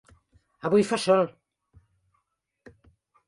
Avui fa sol.